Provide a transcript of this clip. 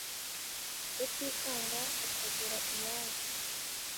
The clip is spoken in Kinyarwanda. Rutikanga ikagira iyayo